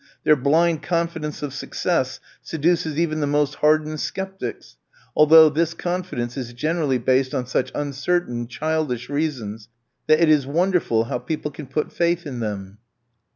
Their blind confidence of success seduces even the most hardened sceptics, although this confidence is generally based on such uncertain, childish reasons that it is wonderful how people can put faith in them.